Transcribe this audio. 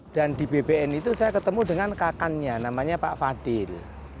dan di bpn itu saya ketemu dengan kakannya namanya pak fadil